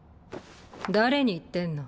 誰に言ってんの。